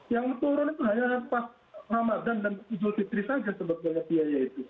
yang turun itu hanya pas ramadan dan idul fitri saja sebetulnya biaya itu